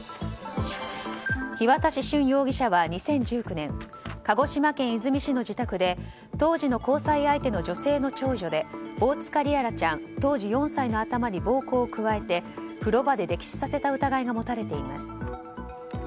日渡駿容疑者は２０１９年鹿児島県出水市の自宅で当時の交際相手の女性の長女で大塚璃來ちゃん、当時４歳の頭に暴行を加えて、風呂場で溺死させた疑いが持たれています。